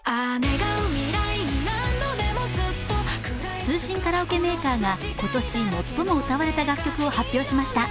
通信カラオケメーカーが今年最も歌われた楽曲を発表しました。